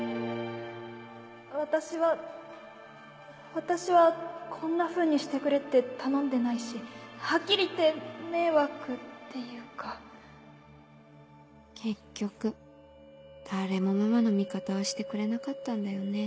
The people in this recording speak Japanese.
私は私はこんなふうにしてくれって頼んでないしはっきり言って迷惑っていうか結局誰もママの味方はしてくれなかったんだよね。